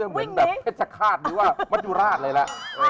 เหมือนแบบแพทย์ฆาตหรือว่ามันยุราชเลยละ